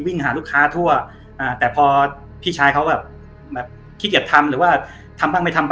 หาลูกค้าทั่วอ่าแต่พอพี่ชายเขาแบบขี้เกียจทำหรือว่าทำบ้างไม่ทำบ้าง